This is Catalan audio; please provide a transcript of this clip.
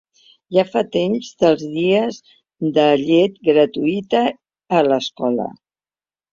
Ja fa temps dels dies de llet gratuïta a l'escola.